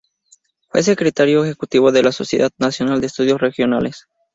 Fue secretario ejecutivo de la Sociedad Nacional de Estudios Regionales.